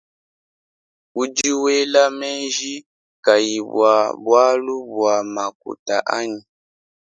Udi wela menji kayi bua bualu bua makuta anyi.